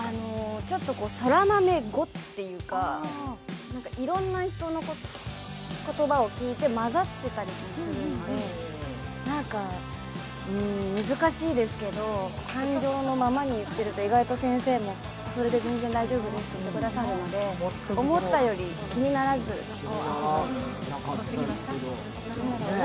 空豆語というか、いろんな人の言葉を聞いて混ざってたりもするので難しいですけど感情のままに言ってると意外と先生もそれで大丈夫ですって言ってくださるので思ったより気にならず、私も。